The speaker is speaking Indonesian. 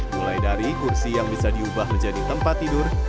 mulai dari kursi yang bisa diubah menjadi tempat tidur